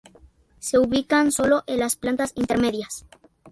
Se ubican sólo en las plantas intermedias.